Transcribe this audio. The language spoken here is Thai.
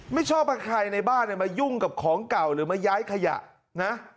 ไม่ชอบให้ใครในบ้านมายุ่งกับของเก่าหรือมาย้ายขยะนะ